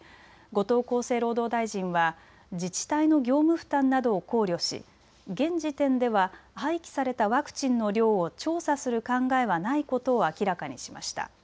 後藤厚生労働大臣は自治体の業務負担などを考慮し現時点では廃棄されたワクチンの量を調査する考えはないことを明らかにしました。